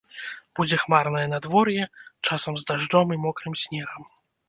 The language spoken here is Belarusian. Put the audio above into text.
Будзе хмарнае надвор'е, часам з дажджом і мокрым снегам.